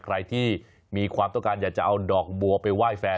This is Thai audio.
ใครที่มีความต้องการอยากจะเอาดอกบัวไปไหว้แฟน